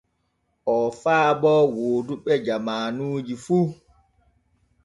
Oo faabo wooduɓe jamaanuji fu.